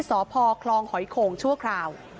สพคลองหอยโข่งชั่วคราว